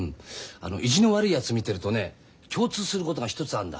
あの意地の悪いやつ見てるとね共通することが一つあるんだ。